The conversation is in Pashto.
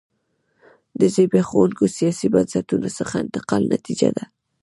له زبېښونکو سیاسي بنسټونو څخه انتقال نتیجه ده.